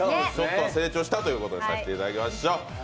成長したということにさせていただきましょう。